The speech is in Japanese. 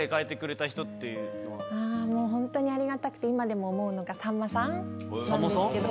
本当にありがたくて今でも思うのがさんまさんなんですけど。